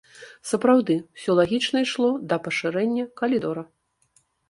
Сапраўды, усё лагічна ішло да пашырэння калідора.